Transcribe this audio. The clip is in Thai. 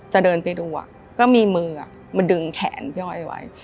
จะเดินไปดูก็มีมือมาดึงแขนพี่อ้อยไว้